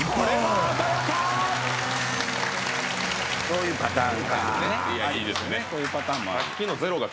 そういうパターンか。